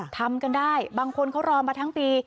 ทำกันได้บางคนเขารอมาทั้งปี